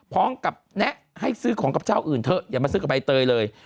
แงะให้ซื้อของกับเจ้าอื่นเถอะอย่ามาซื้อกับใบเตยเลย